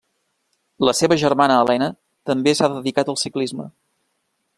La seva germana Elena també s'ha dedicat al ciclisme.